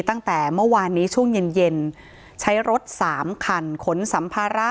ตั้งแต่เมื่อวานนี้ช่วงเย็นเย็นใช้รถสามคันขนสัมภาระ